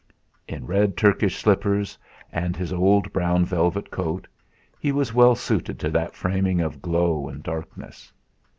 In red Turkish slippers and his old brown velvet coat, he was well suited to that framing of glow and darkness.